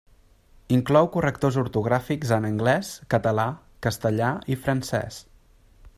Inclou correctors ortogràfics en anglès, català, castellà i francès.